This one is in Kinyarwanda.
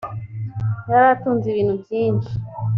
yari atunze ibintu byishi.